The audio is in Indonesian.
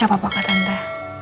gak apa apa kak tante